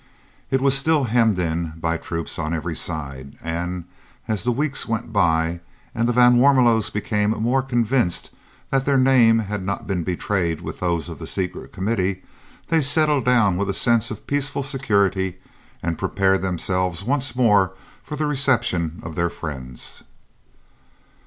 It was still hemmed in by troops on every side, and, as the weeks went by, and the van Warmelos became more convinced that their name had not been betrayed with those of the Secret Committee, they settled down with a sense of peaceful security and prepared themselves once more for the reception of their friends.